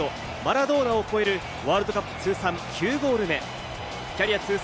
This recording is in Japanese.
これでレジェンド、マラドーナを超えるワールドカップ通算９ゴール目。